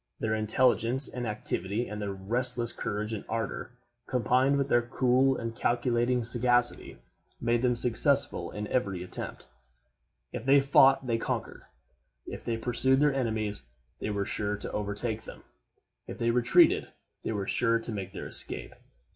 Their intelligence and activity, and their resistless courage and ardor, combined with their cool and calculating sagacity, made them successful in every attempt. If they fought, they conquered; if they pursued their enemies, they were sure to overtake them; if they retreated, they were sure to make their escape.